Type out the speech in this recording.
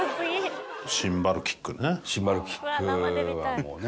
シンバルキックはもうね。